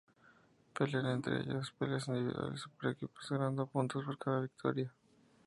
Pelean entre ellos en peleas individuales o por equipos, ganando puntos por cada victoria.